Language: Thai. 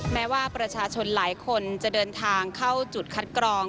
แม้ว่าประชาชนหลายคนจะเดินทางเข้าจุดคัดกรอง